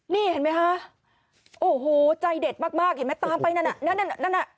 นี่เห็นไหมคะโอ้โหใจเด็ดมากเห็นไหมตามไปนั่นน่ะนั่นนั่นน่ะ